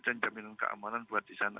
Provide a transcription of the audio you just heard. dan jaminan keamanan buat di sana